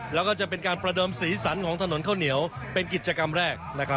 แล้วก็จะเป็นการประเดิมสีสันของถนนข้าวเหนียวเป็นกิจกรรมแรก